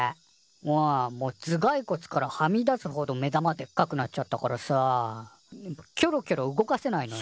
うんもうずがいこつからはみ出すほど目玉でっかくなっちゃったからさキョロキョロ動かせないのよ。